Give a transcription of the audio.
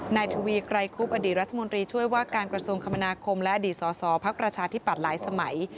นายทวีไกรคุบอดีตรัฐมนตรีช่วยว่าการกระทรวงคมนาคมและอดีตสอสอพักประชาธิปัตย์หลายสมัย